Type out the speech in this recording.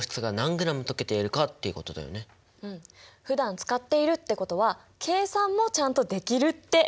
ふだん使っているってことは計算もちゃんとできるってことでしょ？